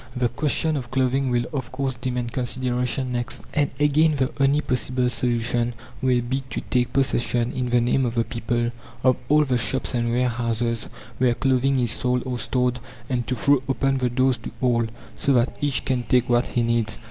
The question of clothing will of course demand consideration next, and again the only possible solution will be to take possession, in the name of the people, of all the shops and warehouses where clothing is sold or stored, and to throw open the doors to all, so that each can take what he needs.